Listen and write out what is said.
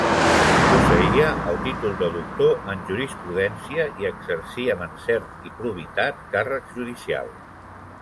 Posseïa el títol de doctor en jurisprudència i exercí, amb encert i probitat càrrecs judicials.